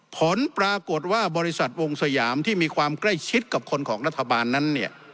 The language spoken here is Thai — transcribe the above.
ผลปรากฏว่าบริษัทวงสยามที่มีความใกล้ชิดกับคนของรัฐบาลนั้นเนี่ย